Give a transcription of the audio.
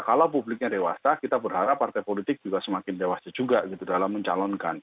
kalau publiknya dewasa kita berharap partai politik juga semakin dewasa juga gitu dalam mencalonkan